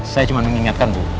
saya cuma mengingatkan bu